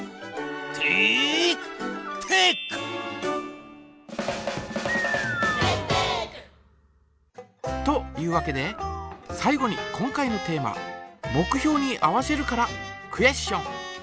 「テイクテック」！というわけで最後に今回のテーマ「目標に合わせる」からクエスチョン。